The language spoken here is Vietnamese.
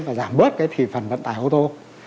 và giảm bớt cái thị phần vận tải ô tô